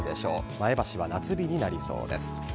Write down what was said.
前橋は夏日になりそうです。